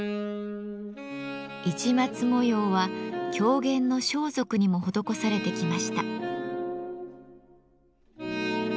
市松模様は狂言の装束にも施されてきました。